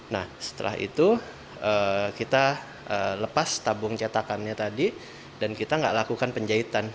nah setelah itu kita lepas tabung cetakannya tadi dan kita nggak lakukan penjahitan